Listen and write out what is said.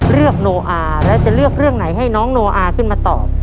เลือกน้องอาแล้วจะเลือกเรื่องไหนให้น้องน้องอาขึ้นมาต่อ